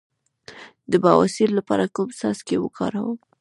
د بواسیر لپاره کوم څاڅکي وکاروم؟